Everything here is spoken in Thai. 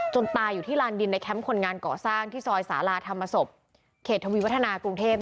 ตายอยู่ที่ลานดินในแคมป์คนงานก่อสร้างที่ซอยสาลาธรรมศพเขตทวีวัฒนากรุงเทพ